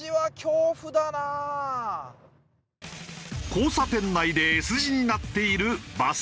交差点内でＳ字になっているバスレーン。